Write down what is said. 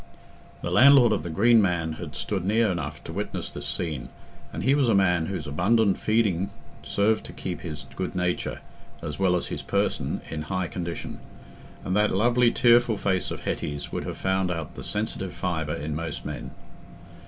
The landlord of the Green Man had stood near enough to witness this scene, and he was a man whose abundant feeding served to keep his good nature, as well as his person, in high condition. And that lovely tearful face of Hetty's would have found out the sensitive fibre in most men.